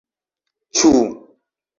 ĉu